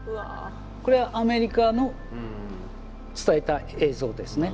これはアメリカの伝えた映像ですね。